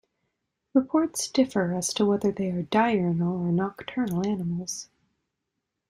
Reports differ as to whether they are diurnal or nocturnal animals.